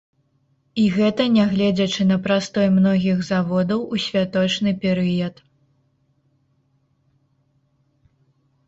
І гэта нягледзячы на прастой многіх заводаў у святочны перыяд.